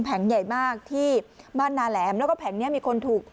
ใหญ่มากที่บ้านนาแหลมแล้วก็แผงนี้มีคนถูก